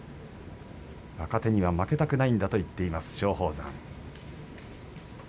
若手には負けたくないんだと言っています、松鳳山。